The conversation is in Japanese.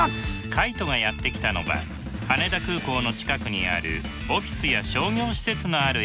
カイトがやって来たのは羽田空港の近くにあるオフィスや商業施設のあるエリアです。